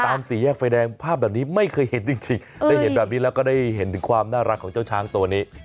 สี่แยกไฟแดงภาพแบบนี้ไม่เคยเห็นจริงได้เห็นแบบนี้แล้วก็ได้เห็นถึงความน่ารักของเจ้าช้างตัวนี้